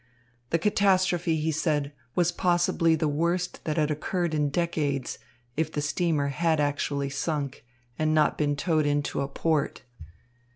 The catastrophe, he said, was possibly the worst that had occurred in decades, if the steamer had actually sunk and not been towed into a port.